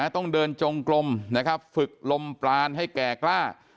ต้องเดินจงกลมนะครับฝึกลมปลานให้แก่กล้า